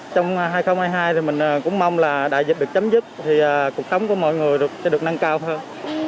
trong hai nghìn hai mươi hai thì mình cũng mong là đại dịch được chấm dứt thì cuộc sống của mọi người được nâng cao hơn